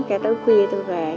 cái tới khuya tôi về